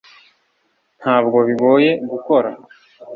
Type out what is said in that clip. ntabwo bigoye gukora